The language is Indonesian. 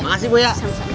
terima kasih buya